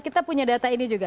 kita punya data ini juga